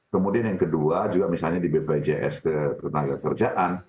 kemudian yang kedua juga misalnya di bpjs kesehatan dan penyelamat kerjaan